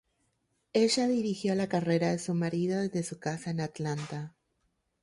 Ella dirigió la carrera de su marido desde su casa en Atlanta.